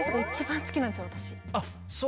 あっそう？